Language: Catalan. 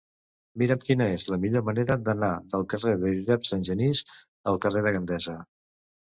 Mira'm quina és la millor manera d'anar del carrer de Josep Sangenís al carrer de Gandesa.